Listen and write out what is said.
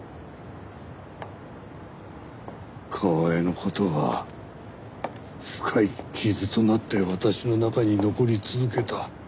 カワエの事は深い傷となって私の中に残り続けた。